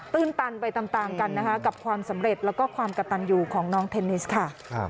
ื้นตันไปตามกันนะคะกับความสำเร็จแล้วก็ความกระตันอยู่ของน้องเทนนิสค่ะ